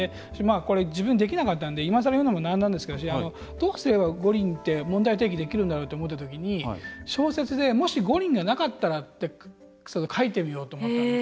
自分、できなかったのでいまさら言うのもあれなんですけどどうすれば五輪って問題提起できるのかと考えたときに小説でもし五輪がなかったらって書いてみようと思ったんです。